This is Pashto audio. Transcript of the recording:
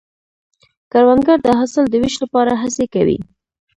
کروندګر د حاصل د ویش لپاره هڅې کوي